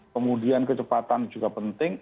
kemudian kecepatan juga penting